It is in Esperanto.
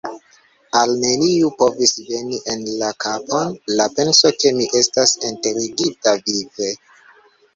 Al neniu povis veni en la kapon la penso, ke mi estas enterigita vive.